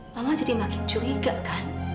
mama jadi makin curiga kan